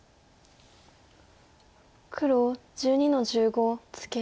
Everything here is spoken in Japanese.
黒１２の十五ツケ。